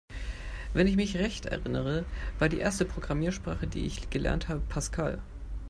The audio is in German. Wenn ich mich recht erinnere, war die erste Programmiersprache, die ich gelernt habe, Pascal.